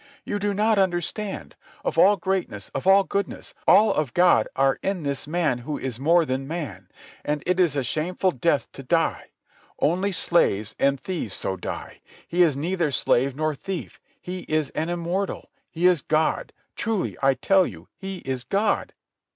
"You do not understand. All of greatness, all of goodness, all of God are in this man who is more than man; and it is a shameful death to die. Only slaves and thieves so die. He is neither slave nor thief. He is an immortal. He is God. Truly I tell you He is God."